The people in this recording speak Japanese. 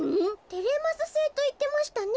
「テレマスセイ」といってましたね。